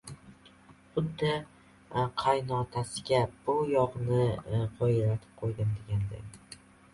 Xuddi qaynotasiga «bu yog‘ini qoyillatib qo‘ydim», deganday